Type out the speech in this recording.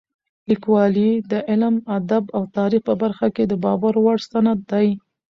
لیکوالی د علم، ادب او تاریخ په برخه کې د باور وړ سند دی.